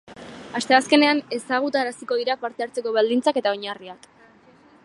Asteazkenean ezagutaraziko dira parte hartzeko baldintzak eta oinarriak.